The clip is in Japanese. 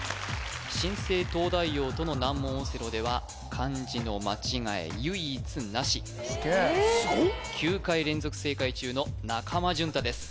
新生東大王との難問オセロでは・すげえすごっ９回連続正解中の中間淳太です